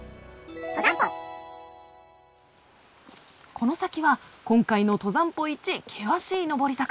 この先は今回の登山歩一険しい上り坂。